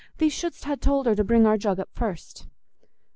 "Thee shouldst ha' told her to bring our jug up first."